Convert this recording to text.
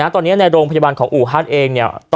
ตอนนี้ในโรงพยาบาลของอู่ฮั่นเองเนี่ย